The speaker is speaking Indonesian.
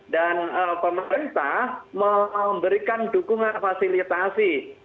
dan pemerintah memberikan dukungan fasilitasi